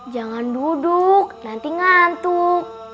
jangan duduk nanti ngantuk